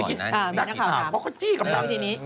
ก็จี้กำลัง